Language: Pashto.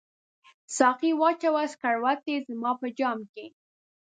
ساقي واچوه سکروټي زما په جام کې